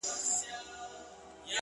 سوخ خوان سترگو كي بيده ښكاري ـ